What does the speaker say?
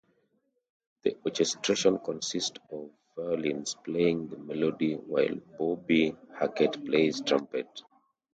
The orchestration consists of violins playing the melody while Bobby Hackett plays trumpet.